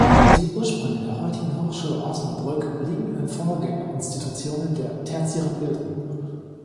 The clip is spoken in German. Die Ursprünge der heutigen Hochschule Osnabrück liegen in Vorgängerinstitutionen der tertiären Bildung.